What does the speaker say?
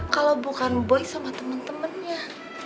kalau bukan boy sama temen temennya